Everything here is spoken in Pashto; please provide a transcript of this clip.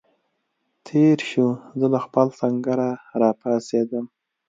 تېر شو، زه له خپل سنګره را پاڅېدم.